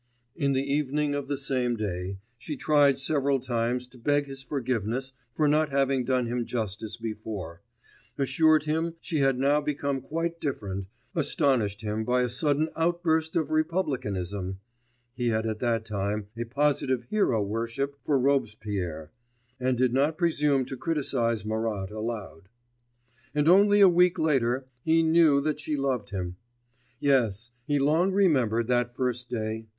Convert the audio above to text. In the evening of the same day, she tried several times to beg his forgiveness for not having done him justice before, assured him she had now become quite different, astonished him by a sudden outburst of republicanism (he had at that time a positive hero worship for Robespierre, and did not presume to criticise Marat aloud), and only a week later he knew that she loved him. Yes; he long remembered that first day